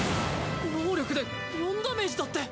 能力で４ダメージだって！？